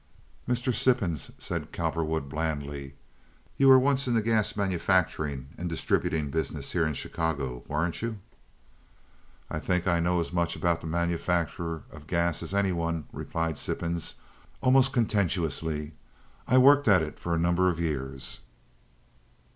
"Mr. Sippens," said Cowperwood, blandly, "you were once in the gas manufacturing and distributing business here in Chicago, weren't you?" "I think I know as much about the manufacture of gas as any one," replied Sippens, almost contentiously. "I worked at it for a number of years."